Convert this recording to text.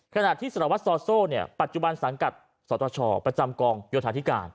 ขณะที่สารวัตรซอโซ่ปัจจุบันสังกัดสตชประจำกองโยธาธิการ